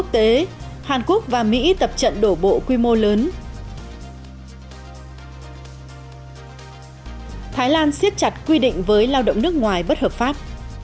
thái lan siết chặt quy định với lao động nước ngoài bất hợp pháp